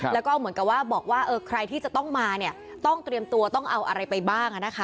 แล้วก็เหมือนกับว่าบอกว่าใครที่จะต้องมาเนี่ยต้องเตรียมตัวต้องเอาอะไรไปบ้างนะคะ